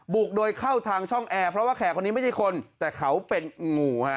บุกโดยเข้าทางช่องแอร์เพราะว่าแขกคนนี้ไม่ใช่คนแต่เขาเป็นงูฮะ